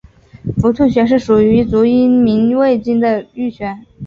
伏兔穴是属于足阳明胃经的腧穴。